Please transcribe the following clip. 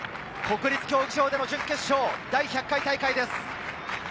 国立競技場での準決勝、第１００回大会です。